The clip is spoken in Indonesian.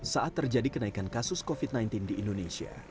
saat terjadi kenaikan kasus covid sembilan belas di indonesia